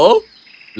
aku akan menunggu